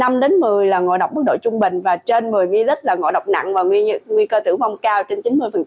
năm một mươi ml là ngộ độc mức độ trung bình và trên một mươi ml là ngộ độc nặng và nguy cơ tử vong cao trên chín mươi